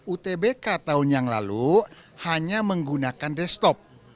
utbk tahun yang lalu hanya menggunakan desktop